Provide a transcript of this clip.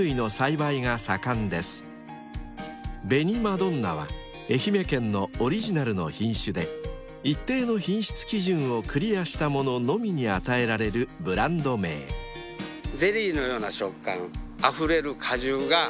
どんなは愛媛県のオリジナルの品種で一定の品質基準をクリアしたもののみに与えられるブランド名］ということをやっております。